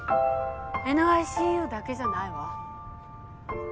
ＮＩＣＵだけじゃないわ